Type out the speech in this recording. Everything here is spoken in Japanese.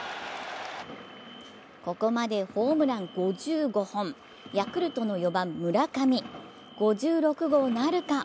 ここまでホームラン５５本、ヤクルトの４番・村上、５６号なるか。